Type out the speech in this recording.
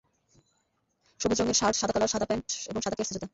সবুজ রঙের শার্ট, সাদা কলার, সাদা প্যান্ট এবং সাদা কেডস জুতা।